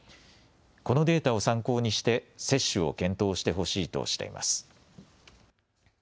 このデータを参考にして接種を検討してほしいとしています。